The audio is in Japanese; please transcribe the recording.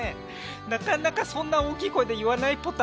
なかなかそんな大きい声で言わないポタからね。